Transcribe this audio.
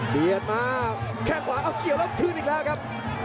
เบียดมากแค่งขวาเอาเกี่ยวแล้วขึ้นอีกแล้วครับ